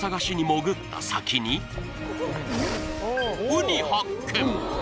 ウニ発見！